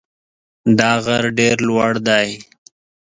دا غر ډېر لوړ دی.